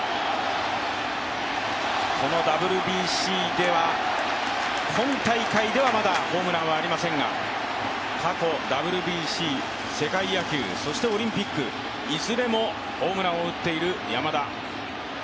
このＷＢＣでは、今大会ではまだホームランはありませんが過去、ＷＢＣ、世界野球、そしてオリンピック、いずれもホームランを打っている山田。